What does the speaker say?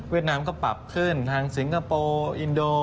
เวียดน้ำก็ปรับขึ้นทางสิงคโรโปอินนโด